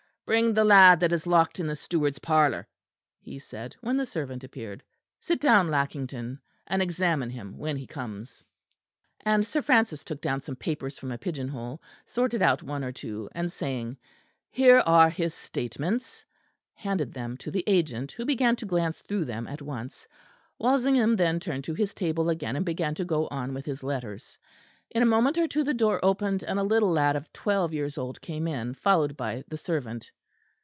"Bring the lad that is locked in the steward's parlour," he said, when the servant appeared. "Sit down, Lackington, and examine him when he comes." And Sir Francis took down some papers from a pigeon hole, sorted out one or two, and saying, "Here are his statements," handed them to the agent; who began to glance through them at once. Walsingham then turned to his table again and began to go on with his letters. In a moment or two the door opened, and a little lad of twelve years old, came in, followed by the servant.